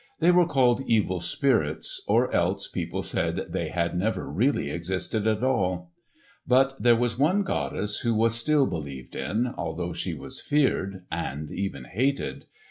They were called evil spirits, or else people said that they had never really existed at all. But there was one goddess who was still believed in, although she was feared and even hated.